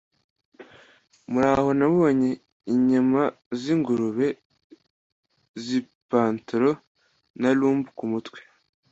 muraho nabonye inyama zingurube zipantaro na rump kumutwe